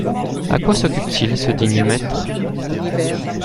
À quoi s’occupe-t-il, ce digne maître ?